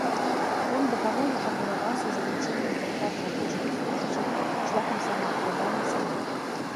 Фонд дапамогі фарміраваўся з адлічэнняў з зарплаты рабочых і служачых, шляхам самаабкладання сялян.